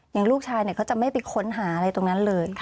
อย่างลูกชายเขาจะไม่ไปค้นหาอะไรตรงนั้นเลย